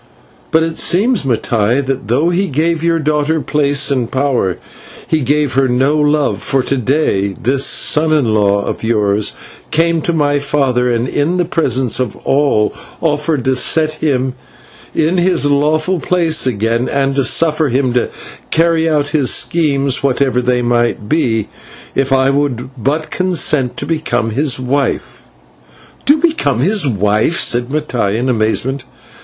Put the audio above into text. But it seems, Mattai, that though he gave your daughter place and power, he gave her no love, for to day this son in law of yours came to my father, and in the presence of us all offered to set him in his lawful place again and to suffer him to carry out his schemes, whatever they might be, if I would but consent to become his wife." "To become his wife!" said Mattai, in amazement.